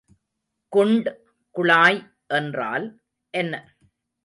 குண்ட் குழாய் என்றால் என்ன?